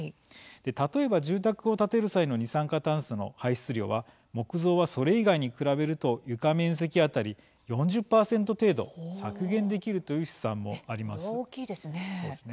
例えば、住宅を建てる際の二酸化炭素の排出量は木造は、それ以外に比べると床面積当たり４０％程度それは大きいですね。